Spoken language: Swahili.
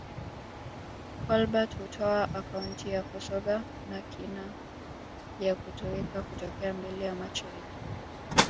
Kolbert hutoa akaunti ya kusonga na kina ya kutoweka kutokea mbele ya macho yetu